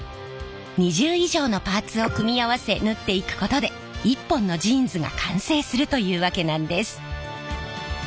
２０以上のパーツを組み合わせ縫っていくことで一本のジーンズが完成するというわけなんです。